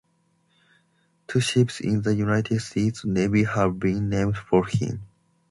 Two ships in the United States Navy have been named for him.